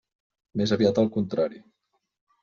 Més aviat al contrari.